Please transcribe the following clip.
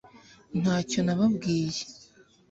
ntacyo nababwiye